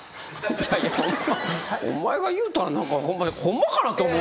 いやいやお前が言うたらホンマかなって思う。